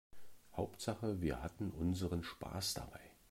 Hauptsache wir hatten unseren Spaß dabei.